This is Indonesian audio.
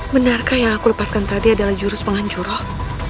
benarkah yang aku lepaskan tadi adalah jurus penghancur roh